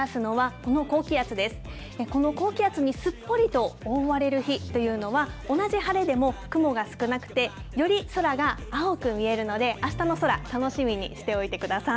この高気圧にすっぽりと覆われる日というのは、同じ晴れでも雲が少なくて、より空が青く見えるので、あしたの空、楽しみにしておいてください。